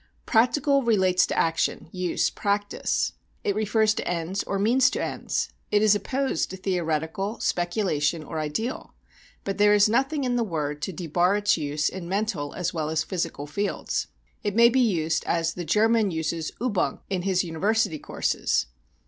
Practical relates to action, use, practice; it refers to ends or means to ends; it is opposed to theoretical, speculation or ideal. But there is nothing in the word to debar its use in mental as well as physical fields. It may be used as the German uses übung in his university courses.